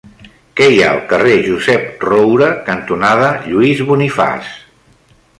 Què hi ha al carrer Josep Roura cantonada Lluís Bonifaç?